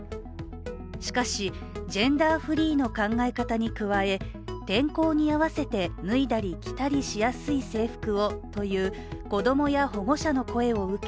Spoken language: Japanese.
しかし、ジェンダーフリーの考え方に加え、天候に合わせて脱いだり着たりしやすい制服をという子供や保護者の声を受け